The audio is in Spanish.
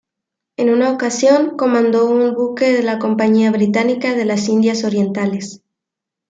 En una ocasión comando un buque de la Compañía Británica de las Indias Orientales.